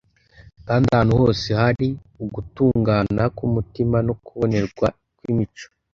Kandi ahantu hose hari ugutungana k’umutima no kubonera kw’imico,